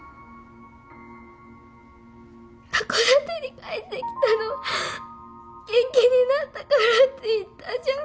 函館に帰ってきたのは元気になったからって言ったじゃん。